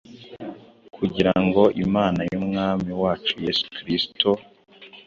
kugira ngo Imana y’Umwami wacu Yesu Kristo,